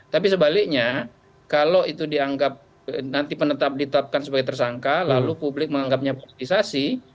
tapi sebaliknya kalau itu dianggap nanti penetap ditetapkan sebagai tersangka lalu publik menganggapnya politisasi